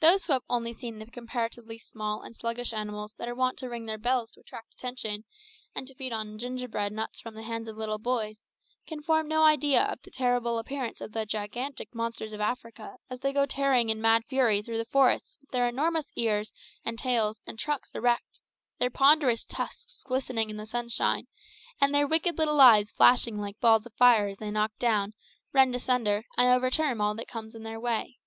Those who have only seen the comparatively small and sluggish animals that are wont to ring their bells to attract attention, and to feed on gingerbread nuts from the hands of little boys, can form no idea of the terrible appearance of the gigantic monsters of Africa as they go tearing in mad fury through the forests with their enormous ears, and tails, and trunks erect, their ponderous tusks glistening in the sunshine, and their wicked little eyes flashing like balls of fire as they knock down, rend asunder, and overturn all that comes in their way.